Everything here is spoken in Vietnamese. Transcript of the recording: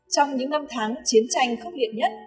trong những năm tháng chiến tranh khốc liệt nhất